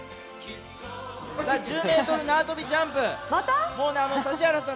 １０ｍ縄跳びジャンプ、指原さん